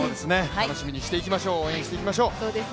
楽しみにしていきましょう、応援していきましょう。